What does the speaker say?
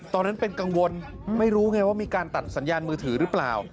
ตอนนั้นเป็นกังวลไม่รู้ไงว่ามีการตัดสัญญาณมือถือหรือเปล่า